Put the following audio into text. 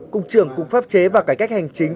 cục trưởng cục pháp chế và cải cách hành chính